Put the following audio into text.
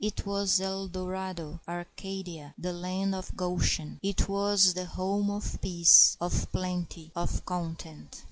It was El Dorado, Arcadia, the land of Goshen. It was the home of peace, of plenty, of content.